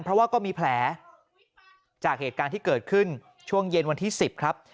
เพราะว่าก็มีแผลจากเหตุการณ์ที่เกิดขึ้นช่วงเย็นวันที่๑๐ครับ